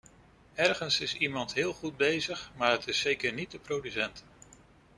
Ergens is iemand heel goed bezig, maar het is zeker niet de producent.